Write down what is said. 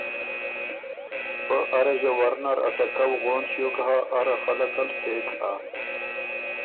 پۀ اره ݫوَر نر ا ټکؤ غون ݭیوک هۀ اره خلقه ل څېک هۀ۔